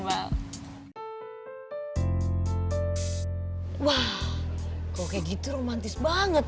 kalau kamu tuh dipecat